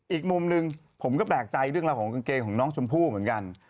อีกมุมหนึ่งผมก็แปลกใจเรื่องราวของกางเกงของน้องชมพู่เหมือนกัน